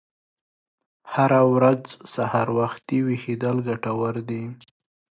هره ورځ سهار وختي ویښیدل ګټور دي.